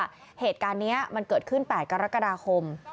เหตุการณ์นี้มันเกิดขึ้น๘กรกฎาคม